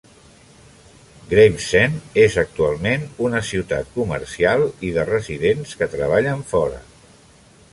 Gravesend és actualment una ciutat comercial i de residents que treballen fora.